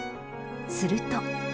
すると。